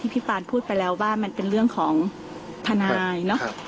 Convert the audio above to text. ที่พี่ฟานพูดไปแล้วว่ามันเป็นเรื่องของภานายเนอะค่ะ